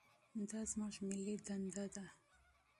دا زموږ ملي دنده ده.